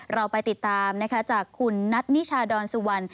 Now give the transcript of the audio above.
เราไปติดตามคุณนัทนิชน์ชาดอนสุวรรณ